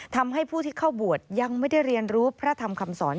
ทำให้ผู้ที่เข้าบวชยังไม่ได้เรียนรู้พระธรรมคำสอน